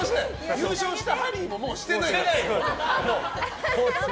優勝したハリーももうしてないから。